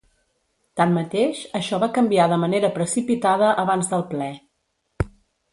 Tanmateix, això va canviar de manera precipitada abans del ple.